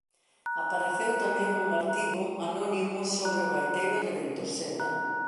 Apareceu tamén un artigo anónimo sobre o gaiteiro de Ventosela.